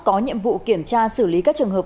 có nhiệm vụ kiểm tra xử lý các trường hợp